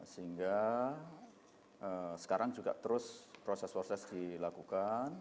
sehingga sekarang juga terus proses proses dilakukan